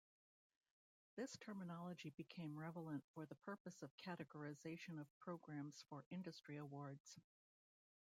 This terminology became relevant for the purpose of categorization of programs for industry awards.